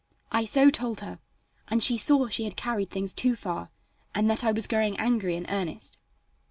I so told her, and she saw she had carried things too far, and that I was growing angry in earnest.